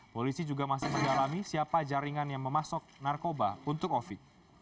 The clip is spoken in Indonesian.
polisi juga masih mendalami siapa jaringan yang memasuk narkoba untuk ovi